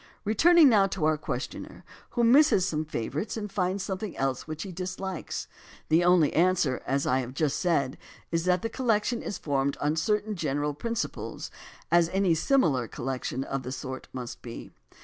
Returning now to our questioner who misses some favorite and finds something else which he dislikes, the only answer, as I have just said, is that the col lection is formed on certain general principles, as any similar collection of the sort must be.